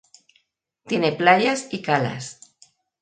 Tiene playas y calas.